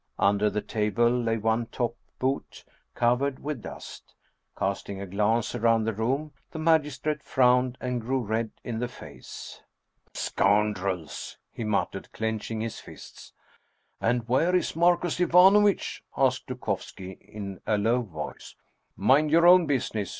Under the table lay one top boot, covered with dust. Casting a glance around the room, the magistrate frowned and grew red in the face. " Scoundrels !" he muttered, clenching his fists. " And where is Marcus Ivanovitch ?" asked Dukovski in a low voice. " Mind your own business